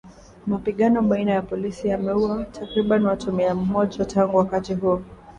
Mapigano baina ya polisi yameuwa takriban watu mia moja tangu wakati huo